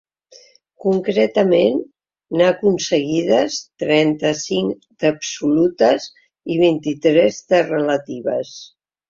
Concretament, n’ha aconseguides trenta-cinc d’absolutes i vint-i-tres de relatives.